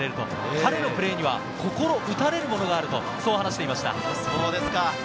彼のプレーには心打たれるものがあると話していました。